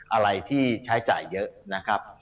อะไรที่ใช้จ่ายเยอะนะครับ